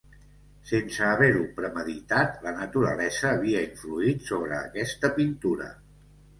Sense haver-ho premeditat, la naturalesa havia influït sobre aquesta pintura.